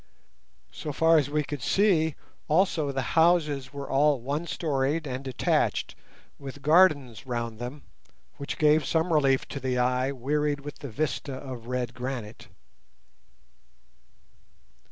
So far as we could see also the houses were all one storied and detached, with gardens round them, which gave some relief to the eye wearied with the vista of red granite.